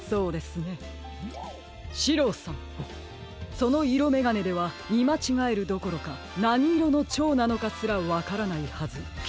そのいろめがねではみまちがえるどころかなにいろのチョウなのかすらわからないはず。